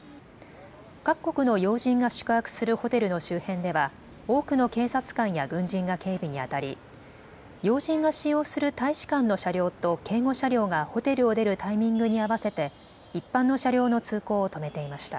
各国の要人が宿泊するホテルの周辺では多くの警察官や軍人が警備にあたり要人が使用する大使館の車両と警護車両がホテルを出るタイミングに合わせて一般の車両の通行を止めていました。